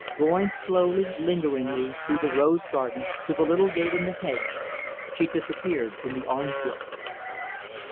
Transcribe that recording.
Going slowly, lingeringly, through the rose garden to the little gate in the hedge, she disappeared in the orange grove.